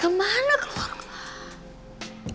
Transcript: kemana keluar kota